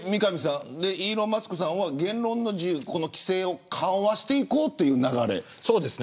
イーロン・マスクさんは言論の自由の規制を緩和していこうという流れ。